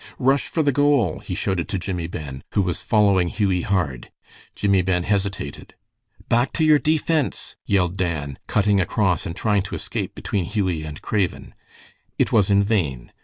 "Rush for the goal!" he shouted to Jimmie Ben, who was following Hughie hard. Jimmie Ben hesitated. "Back to your defense!" yelled Dan, cutting across and trying to escape between Hughie and Craven. It was in vain.